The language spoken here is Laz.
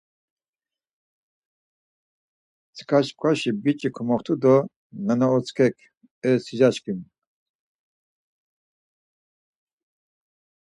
Mtsika çkvaşi biç̌i komoxtu do nanaotsxek, E sica çkimi.